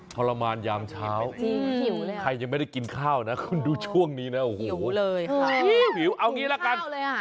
ทรมานยามเช้าใครจะไม่ได้กินข้าวนะคุณดูช่วงนี้นะหิวเลยเอาอย่างงี้ละกัน